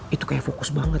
itu kayak fokus banget